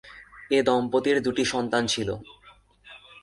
এ দম্পতির দুই সন্তান ছিল।